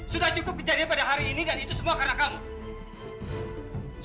sudah cukup kejadian pada hari ini dan itu semua karena kamu